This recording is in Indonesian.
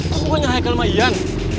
pokoknya hayaknya sama ian